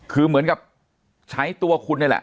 คือเหมือนกับใช้ตัวคุณนี่แหละ